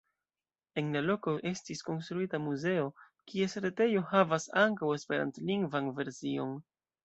En la loko estis konstruita muzeo, kies retejo havas ankaŭ esperantlingvan version.